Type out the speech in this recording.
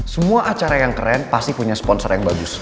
semua acara yang keren pasti punya sponsor yang bagus